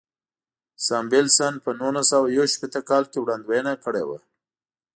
ساموېلسن په نولس سوه یو شپېته کال کې وړاندوینه کړې وه.